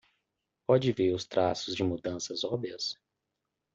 Pode ver os traços de mudanças óbvias